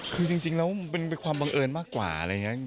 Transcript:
คือจริงแล้วมันเป็นความบังเอิญมากกว่าอะไรอย่างนี้